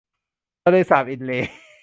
ทะเลสาบอินเลย์